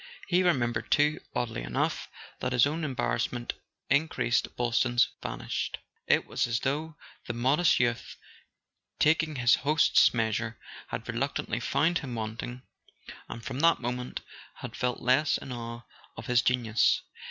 He remembered too, oddly enough, that as his own embarrassment in¬ creased Boylston's vanished. It was as though the modest youth, taking his host's measure, had reluc¬ tantly found him wanting, and from that moment had felt less in awe of his genius.